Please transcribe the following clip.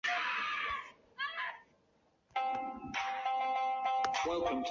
新巴比伦王国国王那波帕拉萨尔派其子尼布甲尼撒二世率领联军进攻亚述的残余势力。